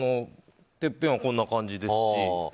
てっぺんはこんな感じですし。